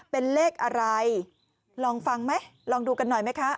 เป็นเลขอะไรลองฟังไหมลองดูกันหน่อยไหมคะ